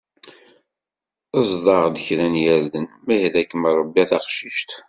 Ezḍ-aɣ-d kra n yirden ma yehda-kem Rebbi a taqcict.